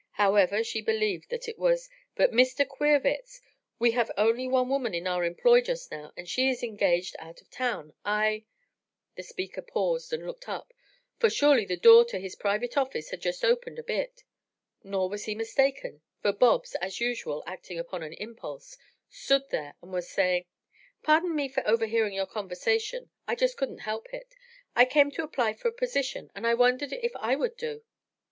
However she believed that it was: "But, Mr. Queerwitz, we only have one woman in our employ just now, and she is engaged out of town. I " The speaker paused and looked up, for surely the door to his private office had opened just a bit. Nor was he mistaken, for Bobs, as usual, acting upon an impulse, stood there and was saying: "Pardon me for overhearing your conversation. I just couldn't help it. I came to apply for a position and I wondered if I would do."